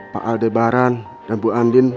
pak aldebaran dan bu andin